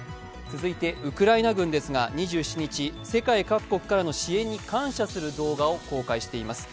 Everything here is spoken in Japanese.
続いてウクライナ軍ですが２７日、世界各国からの支援に感謝する動画を公開しています。